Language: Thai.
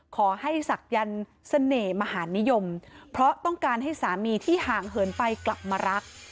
ศักดิ์เสน่ห์มหานิยมเพราะต้องการให้สามีที่ห่างเหินไปกลับมารัก